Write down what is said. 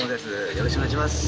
よろしくお願いします